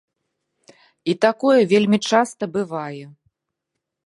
І такое вельмі часта бывае.